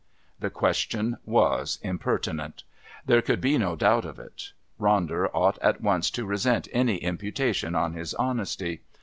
The question was impertinent. There could be no doubt of it. Ronder ought at once to resent any imputation on his honesty.